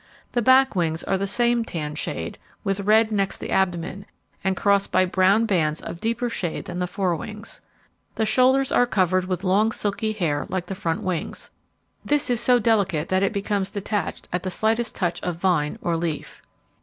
The back wings are the same tan shade, with red next the abdomen, and crossed by brown bands of deeper shade than the fore wings. The shoulders are covered with long silky hair like the front wings. This is so delicate that it becomes detached at the slightest touch of vine or leaf.